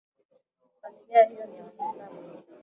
Familia hiyo ni ya waislamu